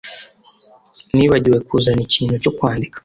Nibagiwe kuzana ikintu cyo kwandika